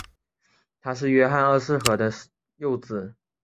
他是约翰二世和的幼子。